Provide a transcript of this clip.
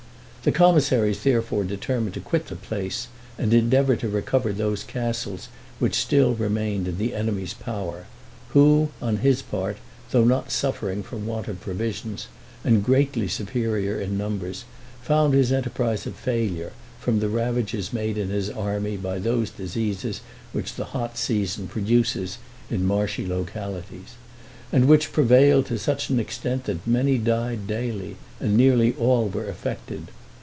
The commissaries therefore determined to quit the place, and endeavor to recover those castles which still remained in the enemy's power; who, on his part, though not suffering from want of provisions, and greatly superior in numbers, found his enterprise a failure, from the ravages made in his army by those diseases which the hot season produces in marshy localities; and which prevailed to such an extent that many died daily, and nearly all were affected.